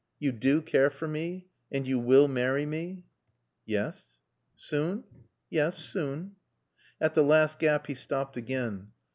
You do care for me? And you will marry me?" "Yes." "Soon?" "Yes; soon." At the last gap he stopped again.